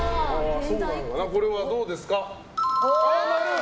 これはどうですか？